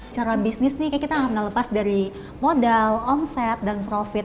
cara bisnis ini kita nggak pernah lepas dari modal omset dan profit